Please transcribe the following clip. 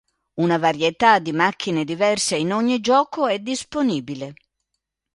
Una varietà di macchine diverse in ogni gioco è disponibile.